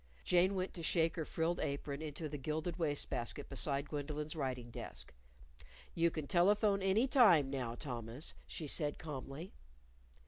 Jane went to shake her frilled apron into the gilded waste basket beside Gwendolyn's writing desk. "You can telephone any time now, Thomas," she said calmly.